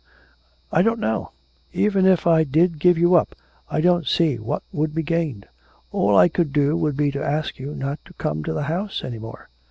'I don't know. Even if I did give you up, I don't see what would be gained. All I could do would be to ask you not to come to the house any more.'